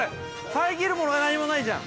遮るものが何もないじゃん。